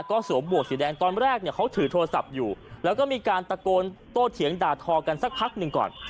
ก็สวมหวกสีแดงตอนแรกเนี่ยเขาถือโทรศัพท์อยู่แล้วก็มีการตะโกนโตเถียงด่าทอกันสักพักหนึ่งก่อน